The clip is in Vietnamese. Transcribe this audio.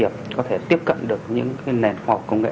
một trận đấu